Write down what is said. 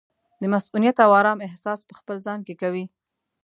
د مصؤنیت او ارام احساس پخپل ځان کې کوي.